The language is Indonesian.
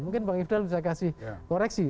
mungkin bang ifdal bisa kasih koreksi